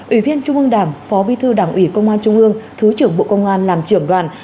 ủy viên trung ương đảng phó bí thư đảng ủy công an trung ương thứ trưởng bộ công an làm trưởng đoàn